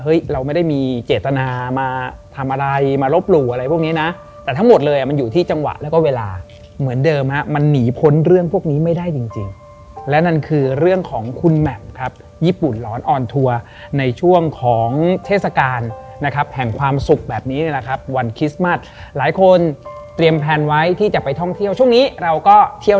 เราไม่ได้มีเจตนามาทำอะไรมาลบหลู่อะไรพวกนี้นะแต่ทั้งหมดเลยอ่ะมันอยู่ที่จังหวะแล้วก็เวลาเหมือนเดิมฮะมันหนีพ้นเรื่องพวกนี้ไม่ได้จริงและนั่นคือเรื่องของคุณแหม่มครับญี่ปุ่นหลอนออนทัวร์ในช่วงของเทศกาลนะครับแห่งความสุขแบบนี้เลยแหละครับวันคริสต์มัสหลายคนเตรียมแพลนไว้ที่จะไปท่องเที่ยวช่วงนี้เราก็เที่ยว